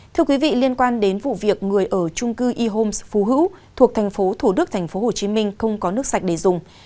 thưa quý vị liên quan đến vụ việc người ở trung cư e homes phú hữu thuộc thành phố thủ đức thành phố hồ chí minh không có nước sạch để dùng